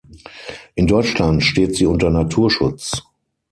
In Deutschland steht sie unter Naturschutz.